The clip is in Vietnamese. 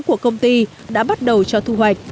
của công ty đã bắt đầu cho thu hoạch